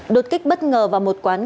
đột kích bất ngờ vào một quán